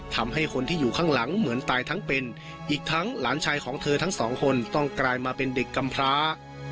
ทำให้คนที่อยู่ข้างหลังเหมือนตายทั้งเป็นอีกทั้งหลานชายของเธอทั้งสองคนต้องกลายมาเป็นเด็กกำพร้า